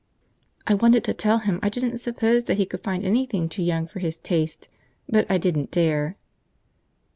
I wanted to tell him I didn't suppose that he could find anything too young for his taste, but I didn't dare.